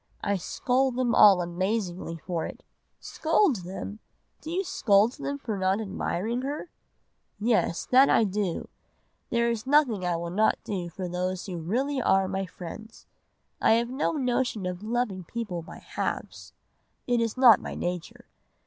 I scold them all amazingly for it.' "'Scold them! Do you scold them for not admiring her?' "'Yes, that I do. There is nothing I would not do for those who really are my friends. I have no notion of loving people by halves, it is not my nature.